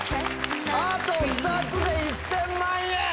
あと２つで１０００万円！